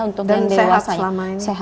sehat selama ini